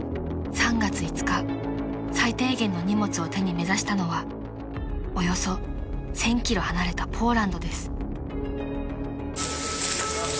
［最低限の荷物を手に目指したのはおよそ１，０００ｋｍ離れたポーランドです］